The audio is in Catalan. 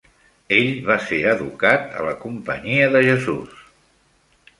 Ell va ser educat a la Companyia de Jesús.